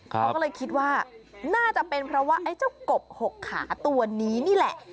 เขาก็เลยคิดว่าน่าจะเป็นเพราะว่าไอ้เจ้ากบ๖ขาตัวนี้นี่แหละ